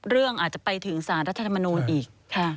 เรื่องอาจจะไปถึงสารรัฐธรรมนูลอีก